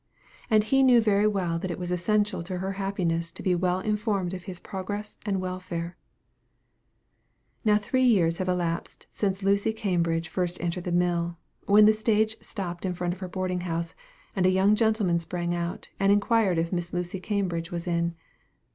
And he knew very well that it was essential to her happiness to be well informed of his progress and welfare. Nearly three years had elapsed since Lucy Cambridge first entered the mill, when the stage stopped in front of her boarding house, and a young gentleman sprang out, and inquired if Miss Lucy Cambridge was in.